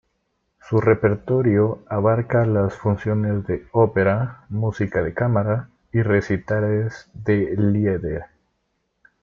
Su repertorio abarca las funciones de ópera, música de cámara y recitales de Lieder.